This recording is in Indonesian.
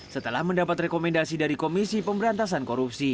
setelah mendapat rekomendasi dari komisi pemberantasan korupsi